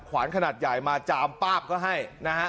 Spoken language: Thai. ขวานขนาดใหญ่มาจามป้าบก็ให้นะฮะ